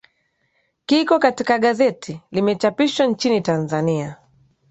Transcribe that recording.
kiko katika gazeti limechapishwa nchini tanzania